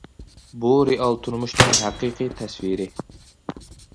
بۇ رېئال تۇرمۇشنىڭ ھەقىقىي تەسۋىرى.